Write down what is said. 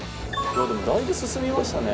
だいぶ進みましたね。